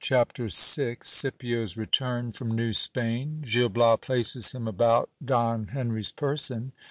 Ch. VI. — Scipio 1 s return from Neiv Spain. Gil Bias places him about Don Henry's person.